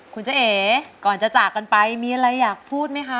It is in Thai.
คุณเจ๊เอ๋ก่อนจะจากกันไปมีอะไรอยากพูดไหมคะ